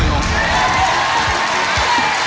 ยกบางนิด